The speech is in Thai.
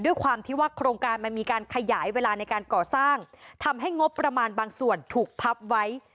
ด้วยความที่ว่าโครงการมันมีการขยายเวลาในการก่อสร้างทำให้งบประมาณบางส่วนถูกพับไว้